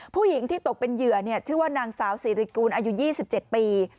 ผู้หญิงที่ตกเป็นเหยื่อชื่อว่านางสาวสิริกูลอายุ๒๗ปี